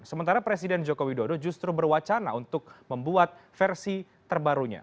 sementara presiden joko widodo justru berwacana untuk membuat versi terbarunya